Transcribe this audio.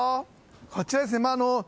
こちらです。